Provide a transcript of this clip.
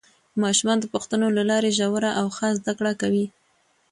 ماشومان د پوښتنو له لارې ژوره او ښه زده کړه کوي